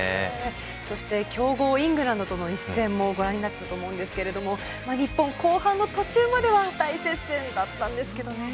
そして強豪イングランドとの一戦もご覧になって日本、後半の途中までは大接戦だったんですが。